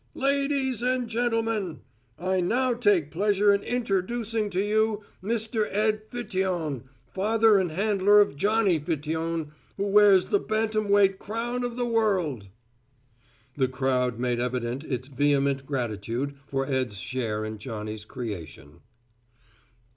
"Ladees and gen tul men, I now take pleasure in in ter ducing to you Mr. Ed Fiteon, father and handler of Johnny Fiteon, who wears th' bantamweight crown o' th' world." The crowd made evident its vehement gratitude for Ed's share in Johnny's creation.